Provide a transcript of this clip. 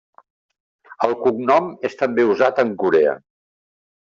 El cognom és també usat en Corea.